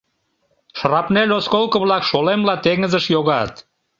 Шрапнель осколко-влак шолемла теҥызыш йогат.